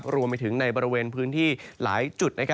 รวมไปถึงในบริเวณพื้นที่หลายจุด